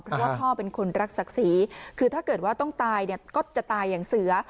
เพราะว่าพ่อเป็นคนรักศักดิ์ศรีคือถ้าเกิดว่าต้องตายเนี่ยก็จะตายอย่างเสือ